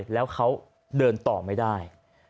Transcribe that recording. แล้วเขาเดินต่อไม่ได้